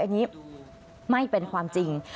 อันนี้ไม่เป็นความจริง